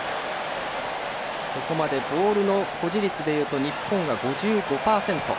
ここまでボールの保持率でいうと日本が５５％。